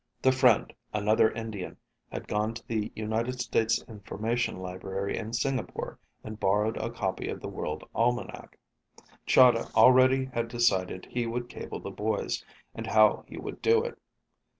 The friend, another Indian, had gone to the United States Information Library in Singapore and borrowed a copy of The World Almanac. Chahda already had decided he would cable the boys, and how he would do it.